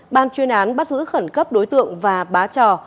ban chuyên án bắt giữ khẩn cấp đối tượng và bá trò